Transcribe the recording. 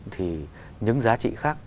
thì những giá trị khác